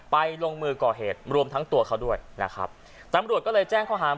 ลงมือก่อเหตุรวมทั้งตัวเขาด้วยนะครับตำรวจก็เลยแจ้งข้อหาร